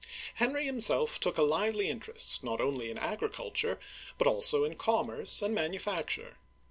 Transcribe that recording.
Henry himself took a lively interest not only in agri culture but also in commerce and manufacture.